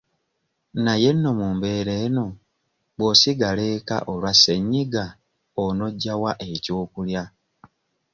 Naye nno mu mbeera eno bw'osigala eka olwa ssenyiga on'oggya wa ekyokulya?